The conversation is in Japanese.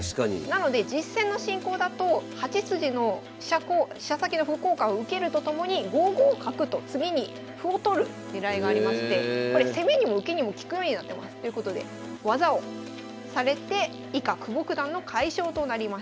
なので実戦の進行だと８筋の飛車先の歩交換を受けるとともに５五角と次に歩を取る狙いがありましてこれ攻めにも受けにも利くようになってます。ということで技をされて以下久保九段の快勝となりました。